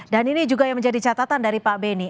dan ini juga yang menjadi catatan dari pak benny